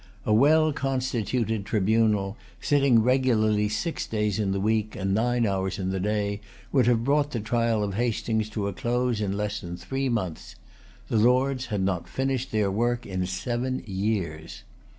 A well constituted tribunal, sitting regularly six days in the week, and nine hours in the day, would have brought the trial of Hastings to a close in less than three months. The Lords had not finished their work in seven years.